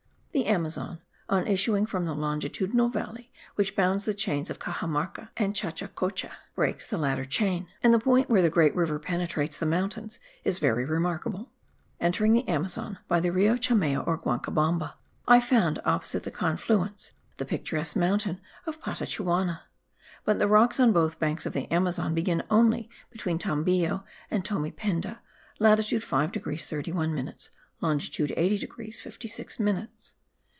The Amazon, on issuing from the longitudinal valley which bounds the chains of Caxamarca and Chachacocha, breaks the latter chain; and the point where the great river penetrates the mountains, is very remarkable. Entering the Amazon by the Rio Chamaya or Guancabamba, I found opposite the confluence, the picturesque mountain of Patachuana; but the rocks on both banks of the Amazon begin only between Tambillo and Tomependa (latitude 5 degrees 31 minutes, longitude 80 degrees 56 minutes).